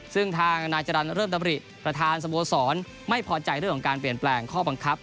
ซึ่งทางนายจรรย์เริ่มดำริประธานสโมสรไม่พอใจเรื่องของการเปลี่ยนแปลงข้อบังคับ